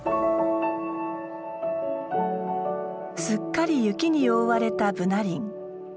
すっかり雪に覆われたブナ林。